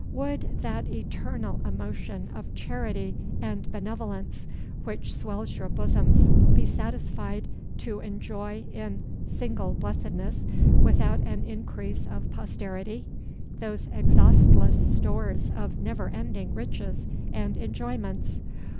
Would that eternal emotion of charity and benevolence which swells your bosoms be satisfied to enjoy in, "single blessedness," without an increase of posterity, those exhaustless stores of never ending riches and enjoyments?